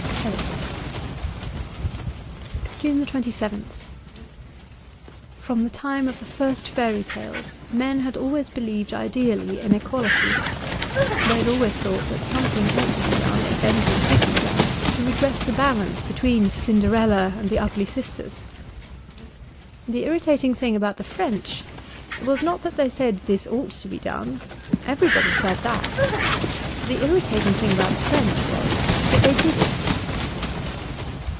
'Heretics: ^95 o 2 JUNE 27th FROM the time of the first fairy tales men had always believed ideally in equality ; they had always thought that something ought to be done, if anything could be done, to redress the balance between Cinderella and the ugly sisters. The irritating thing about the French was not that they said this ought to be done : everybody said that. The irritating thing about the French was that they did it.